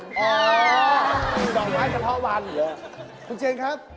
คุณเจนครับ